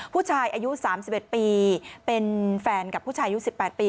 ผู้ชายอายุ๓๑ปีเป็นแฟนกับผู้ชายอายุ๑๘ปี